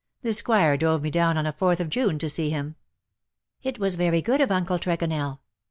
The Sqnire drove me down on a Fourth of June to see him.^' ^' It was very good of Uncle Tregonell.''